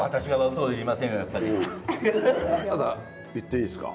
ただ言っていいですか？